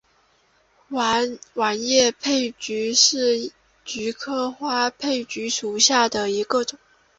卵叶花佩菊为菊科花佩菊属下的一个种。